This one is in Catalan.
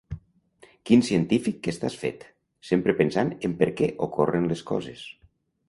Quin científic que estàs fet… Sempre pensant en per què ocorren les coses.